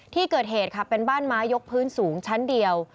ที่เกิดเหตุค่ะเป็นบ้านไม้ยกพื้นสูงชั้นเดียว